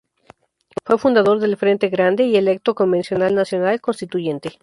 Fue fundador del Frente Grande y electo Convencional Nacional Constituyente.